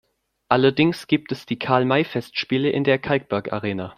Allerdings gibt es die Karl-May-Festspiele in der Kalkbergarena.